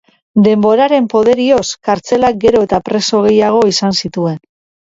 Denboraren poderioz, kartzelak gero eta preso gehiago izan zituen.